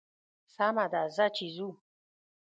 سمه ده ځه چې ځو.